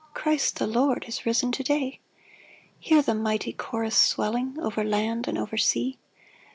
Christ the Lord is risen to day ! Hear the mighty chorus sweUing Over land and over sea